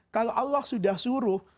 kalau allah sudah suruh